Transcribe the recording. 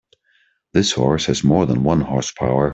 This horse has more than one horse power.